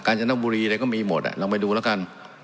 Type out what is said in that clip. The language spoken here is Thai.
การชนับบุรีอะไรก็มีหมดอ่ะลองไปดูแล้วกัน